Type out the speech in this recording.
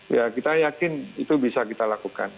ya kita yakin itu bisa kita lakukan